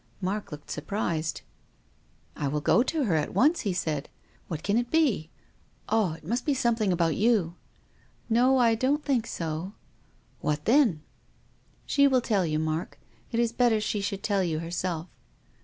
Mark looked surprised. " I will go to her at once," he said. " What can it be ? Ah, it must be something about you." " No, I don't think so." " What then?" " She will tell you, Mark. It is better she should tell you herself."